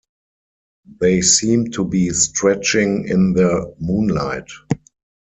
They seemed to be stretching in the moonlight.